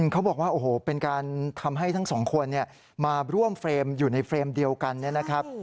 เขาบอกว่าโอ้โหเป็นการทำให้ทั้งสองคนมาร่วมเฟรมอยู่ในเฟรมเดียวกันเนี่ยนะครับ